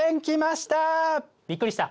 びっくりした？